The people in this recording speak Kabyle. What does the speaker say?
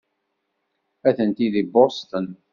Atenti deg Boston.